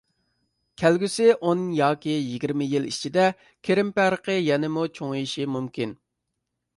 كەلگۈسى ئون ياكى يىگىرمە يىل ئىچىدە، كىرىم پەرقى يەنىمۇ چوڭىيىشى مۇمكىن.